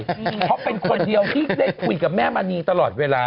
เพราะเป็นคนเดียวที่ได้คุยกับแม่มณีตลอดเวลา